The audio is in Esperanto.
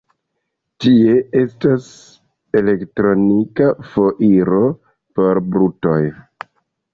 Tie estas elektronika foiro por brutoj.